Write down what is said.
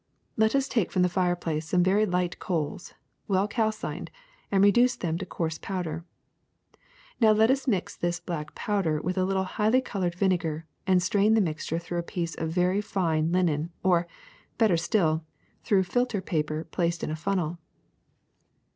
'^Let us take from the fireplace some very light coals, well calcined, and reduce them to coarse pow der. Next let us mix this black powder with a little highly colored vinegar and strain the mixture through a piece of very fine linen or, better still, through filter paper placed in a funnel.